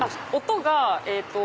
音がえっと。